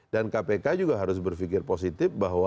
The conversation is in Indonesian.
dan kpk juga harus berpikir positif bahwa